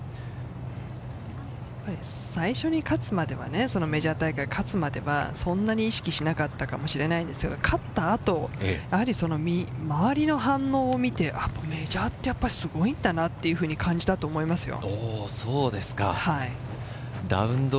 最初に勝つまでは、メジャー大会を勝つまでは、そんなに意識しなかったかもしれないですけれど、勝ったあと、やはり周りの反応を見て、メジャーってやっぱりすごいんだなっていうふうに感じたと思いますよ。